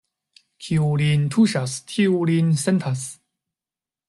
Kiu lin tuŝas, tiu lin sentas.